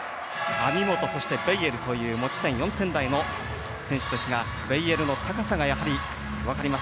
網本、そしてベイエルという持ち点４点台の選手ですがベイエルの高さが分かります。